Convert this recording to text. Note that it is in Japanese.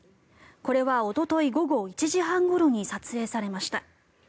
これはおととい午後１時半ごろに撮影されました。